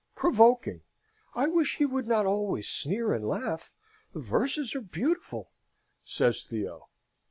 "Provoking! I wish he would not always sneer and laugh! The verses are beautiful," says Theo.